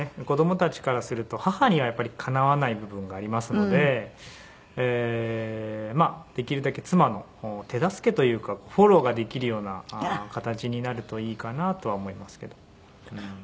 子供たちからすると母にはやっぱりかなわない部分がありますのでできるだけ妻の手助けというかフォローができるような形になるといいかなとは思いますけど。